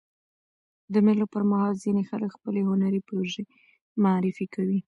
د مېلو پر مهال ځيني خلک خپلي هنري پروژې معرفي کوي.